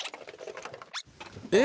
えっ！